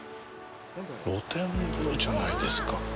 露天風呂じゃないですか。